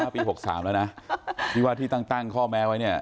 ปี๖๓แล้วนะที่ว่าที่ตั้งข้อแม้ไว้เนี่ย